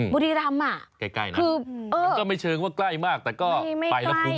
บุรีรำอ่ะใกล้นะคือมันก็ไม่เชิงว่าใกล้มากแต่ก็ไปแล้วคุ้ม